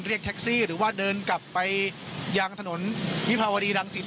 เรียกแท็กซี่หรือว่าเดินกลับไปยังถนนวิภาวดีรังศิลป